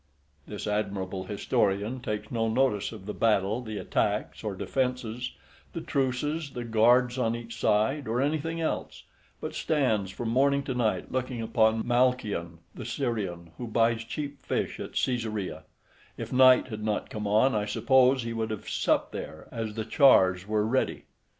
This admirable historian takes no notice of the battle, the attacks or defences, the truces, the guards on each side, or anything else; but stands from morning to night looking upon Malchion, the Syrian, who buys cheap fish at Caesarea: if night had not come on, I suppose he would have supped there, as the chars were ready.